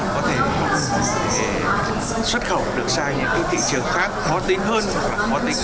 có thể xuất khẩu được sang những thị trường khác khó tính hơn hoặc khó tính khác bằng thị trường úc